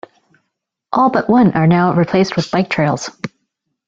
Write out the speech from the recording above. All but one are now replaced with bike trails.